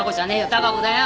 貴子だよ。